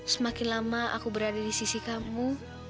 semakin lama aku berada di sisi kamu